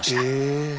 え。